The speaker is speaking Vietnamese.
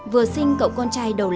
vừa sinh cậu con trai đầu tiên